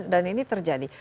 dan ini terjadi